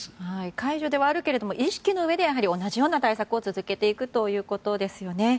解除ではあるけれども意識のうえでは同じような対策を続けていくということですよね。